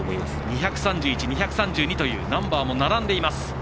２３１、２３２というナンバーも並んでいます。